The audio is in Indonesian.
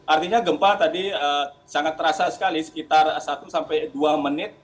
artinya gempa tadi sangat terasa sekali sekitar satu sampai dua menit